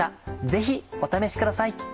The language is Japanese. ぜひお試しください。